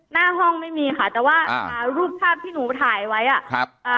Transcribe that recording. หน้าห้องไม่มีค่ะแต่ว่ารูปภาพที่หนูถ่ายไว้อ่ะ